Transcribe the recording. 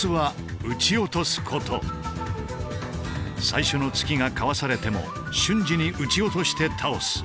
最初の突きがかわされても瞬時に打ち落として倒す